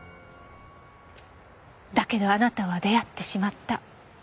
だけどあなたは出会ってしまった。